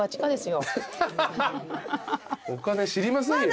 お金知りませんよ。